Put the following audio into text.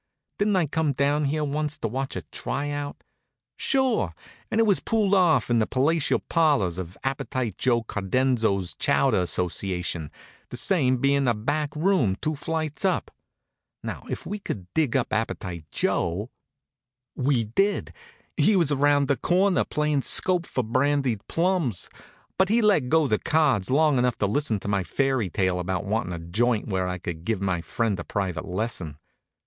Didn't I come down here once to watch a try out? Sure! And it was pulled off in the palatial parlors of Appetite Joe Cardenzo's Chowder Association, the same being a back room two flights up. Now if we could dig up Appetite Joe " We did. He was around the corner playing 'scope for brandied plums, but he let go the cards long enough to listen to my fairy tale about wantin' a joint where I could give my friend a private lesson.